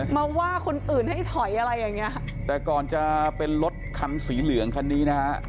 มาว่าคนอื่นให้ถอยอะไรอย่างเงี้ยแต่ก่อนจะเป็นรถคันสีเหลืองคันนี้นะฮะ